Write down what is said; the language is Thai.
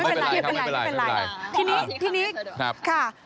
ไม่เป็นไรค่ะไม่เป็นไร